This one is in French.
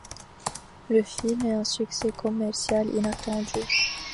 Le film est un succès commercial inattendu.